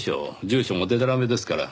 住所もでたらめですから。